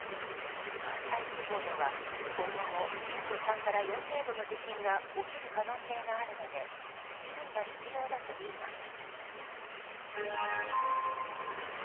関西地方では今後も震度３から４程度の地震が起きる可能性があるので注意が必要だといいます。